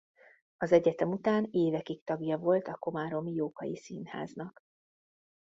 Az egyetem után évekig tagja volt a Komáromi Jókai Színháznak.